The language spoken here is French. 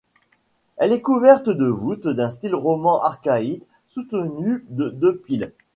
Elle est couverte de voûtes d'un style roman archaïque, soutenues par deux piles.